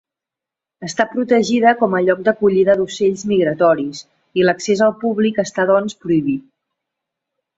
Està protegida com a lloc d'acollida d'ocells migratoris i l'accés al públic està doncs prohibit.